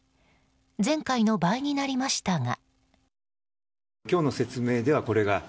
前回の倍になりましたが。